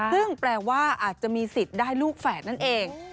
ซึ่งแปลว่าอาจจะมีสิทธิ์ได้ลูกแฝดนั่นเอง